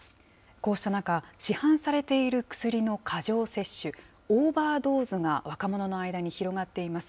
こうした中、市販されている薬の過剰摂取・オーバードーズが若者の間に広がっています。